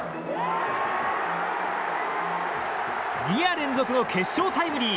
２夜連続の決勝タイムリー！